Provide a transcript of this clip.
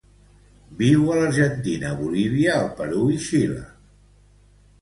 Viu a l'Argentina, Bolívia, el Perú i Xile.